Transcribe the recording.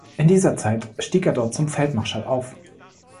In dieser Zeit stieg er dort zum Feldmarschall auf.